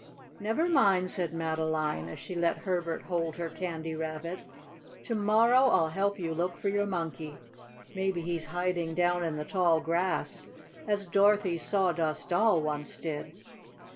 "Never mind," said Madeline, as she let Herbert hold her Candy Rabbit, "to morrow I'll help you look for your Monkey. Maybe he's hiding down in the tall grass, as Dorothy's Sawdust Doll once did."